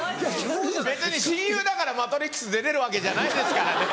別に親友だから『マトリックス』出れるわけじゃないですからね。